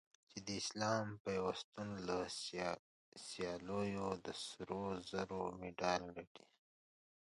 چې د اسلامي پیوستون له سیالیو د سرو زرو مډال ګټي